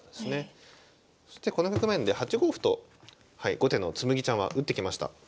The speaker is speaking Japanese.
そしてこの局面で８五歩と後手の紬ちゃんは打ってきました。